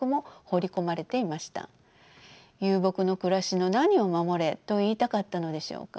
遊牧の暮らしの何を守れと言いたかったのでしょうか。